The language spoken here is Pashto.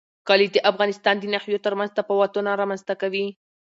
کلي د افغانستان د ناحیو ترمنځ تفاوتونه رامنځ ته کوي.